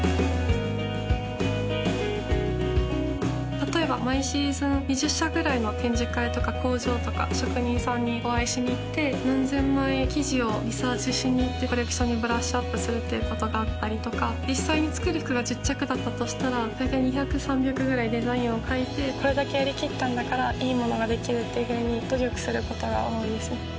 例えば毎シーズン２０社ぐらいの展示会とか工場とか職人さんにお会いしに行って何千枚生地をリサーチしに行ってコレクションにブラッシュアップするっていうことがあったりとか実際に作る服が１０着だったとしたら大体２００３００ぐらいデザインを描いてこれだけやりきったんだからいい物ができるっていうふうに努力することが多いですね